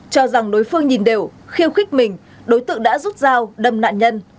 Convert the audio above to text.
cho rằng đối phương nhìn đều khiêu khích mình đối tượng đã rút dao đâm nạn nhân